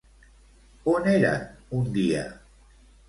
On eren un dia?